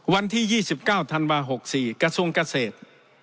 วันที่๒๙ธันวา๖๔กระทรวงเกษตร